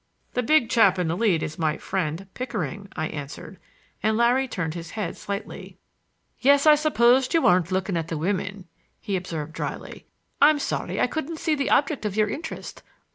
"The big chap in the lead is my friend Pickering," I answered; and Larry turned his head slightly. "Yes, I supposed you weren't looking at the women," he observed dryly. "I'm sorry I couldn't see the object of your interest.